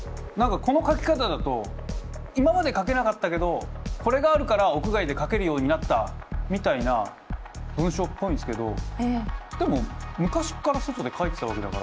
何かこの書き方だと今まで描けなかったけどこれがあるから屋外で描けるようになったみたいな文章っぽいんすけど。